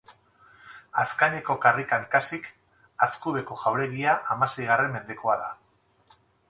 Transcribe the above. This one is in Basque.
Azkaineko karrikan kasik, Azkubeko jauregia hamaseigarren mendekoa da.